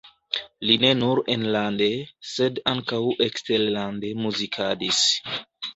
Li ne nur enlande, sed ankaŭ eksterlande muzikadis.